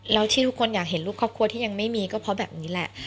แล้วที่ทุกคนอยากเห็นรูปครอบครัวที่ยังไม่มีก็เพราะแบบนี้แหละ